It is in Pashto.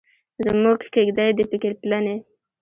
زموږ کیږدۍ دې پکې پلنې.